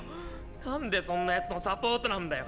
何でそんな奴のサポートなんだよ！